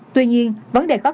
tuy nhiên vấn đề có kết quả